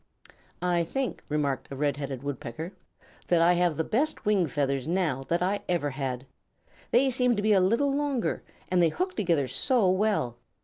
"I think," remarked a Red headed Woodpecker, "that I have the best wing feathers now that I ever had. They seem to be a little longer, and they hook together so well.